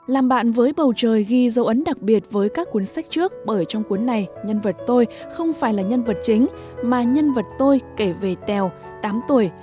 làm bạn với bầu trời ghi dấu ấn đặc biệt với các cuốn sách trước bởi trong cuốn này nhân vật tôi không phải là nhân vật chính mà nhân vật tôi kể về tèo tám tuổi